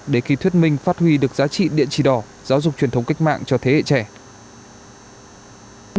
để khi thuyết minh phát huy được giá trị điện trì đỏ giáo dục truyền thống cách mạng cho thế hệ trẻ